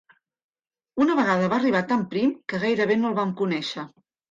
Una vegada va arribar tan prim que gairebé no el vam conèixer.